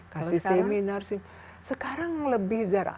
di seminar sekarang lebih jarang